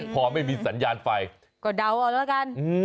พอไม่มีสัญญาณไฟก็เดาเอาแล้วกัน